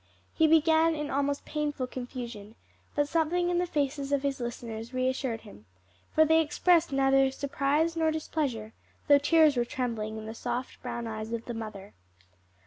He began in almost painful confusion, but something in the faces of his listeners reassured him; for they expressed neither surprise nor displeasure, though tears were trembling in the soft brown eyes of the mother.